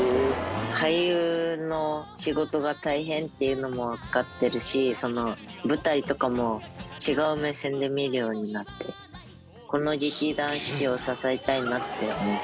俳優の仕事が大変っていうのもわかってるし舞台とかも違う目線で見るようになってこの劇団四季を支えたいなって思いました。